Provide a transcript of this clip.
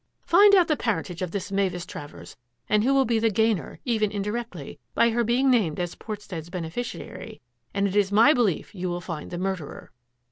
"Find out the parentage of this Mavis Travers and who will be the gainer, even indirectly, by her being named as Portstead's beneficiary, and it's my belief you will find the murderer."